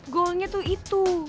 goalnya tuh itu